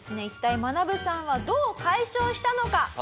一体マナブさんはどう解消したのか？